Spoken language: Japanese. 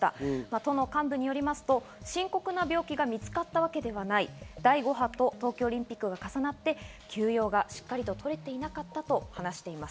都の幹部によりますと、深刻な病気が見つかったわけではない、第５波と東京オリンピックが重なって休養がしっかりと取れていなかったと話しています。